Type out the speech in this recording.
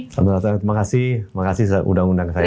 selamat datang terima kasih terima kasih sudah undang undang saya